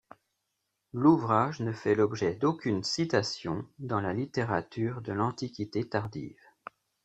L'ouvrage ne fait l'objet d'aucune citation dans la littérature de l'Antiquité tardive.